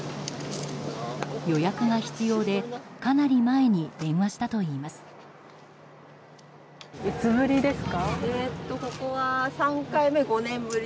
予約が必要でかなり前に電話したといいます。